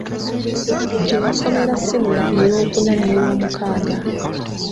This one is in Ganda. Gye yasomera ssiniya eyookuna n’eyoomukaaga.